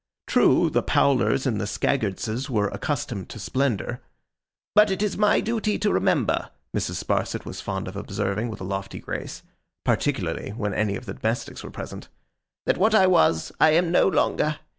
True, the Powlers and the Scadgerses were accustomed to splendour, 'but it is my duty to remember,' Mrs. Sparsit was fond of observing with a lofty grace: particularly when any of the domestics were present, 'that what I was, I am no longer.